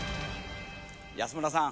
安村さん。